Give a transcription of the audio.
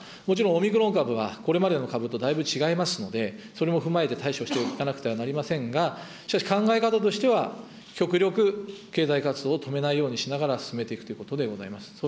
もちろんオミクロン株は、これまでの株とだいぶ違いますので、それも踏まえて対処していかなければなりませんが、しかし考え方としては、極力、経済活動を止めないようにしながら進めていくということでございます。